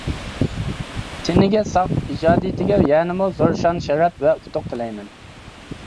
تېنىگە ساقلىق، ئىجادىيىتىگە يەنىمۇ زور شان-شەرەپ ۋە ئۇتۇق تىلەيمەن.